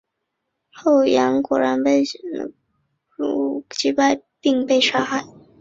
后杨欣果然被鲜卑若罗拔能于武威击败并被杀害。